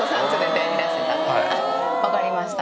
分かりました。